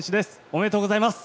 おめでとうございます。